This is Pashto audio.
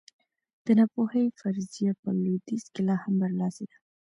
د ناپوهۍ فرضیه په لوېدیځ کې لا هم برلاسې ده.